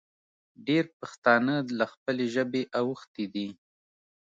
ډېر پښتانه له خپلې ژبې اوښتې دي